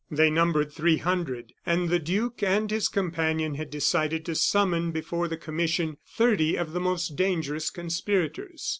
They numbered three hundred, and the duke and his companion had decided to summon before the commission thirty of the most dangerous conspirators.